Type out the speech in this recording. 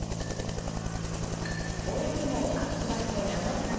大相撲秋場所７日目。